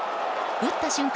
打った瞬間